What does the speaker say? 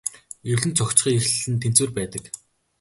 Эвлэн зохицохын эхлэл нь тэнцвэр байдаг.